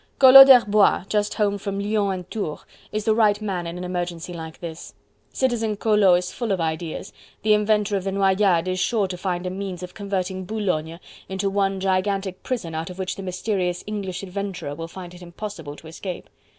Collot d'Herbois, just home from Lyons and Tours, is the right man in an emergency like this. Citizen Collot is full of ideas; the inventor of the "Noyades" is sure to find a means of converting Boulogne into one gigantic prison out of which the mysterious English adventurer will find it impossible to escape.